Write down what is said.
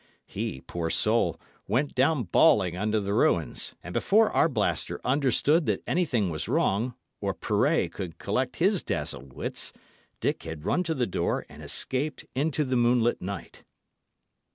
He, poor soul, went down bawling under the ruins; and before Arblaster understood that anything was wrong, or Pirret could collect his dazzled wits, Dick had run to the door and escaped into the moonlit night.